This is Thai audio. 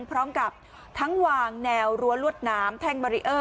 พร้อมกับทั้งวางแนวรั้วลวดน้ำแท่งบารีเออร์